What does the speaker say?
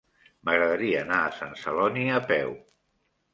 M'agradaria anar a Sant Celoni a peu.